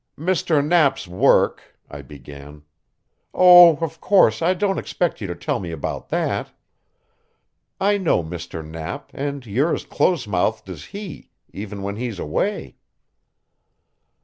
"Mr. Knapp's work " I began. "Oh, of course I don't expect you to tell me about that. I know Mr. Knapp, and you're as close mouthed as he, even when he's away."